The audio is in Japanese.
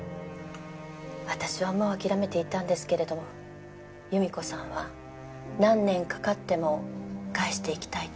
私はもう諦めていたんですけれども由美子さんは何年かかっても返していきたいと。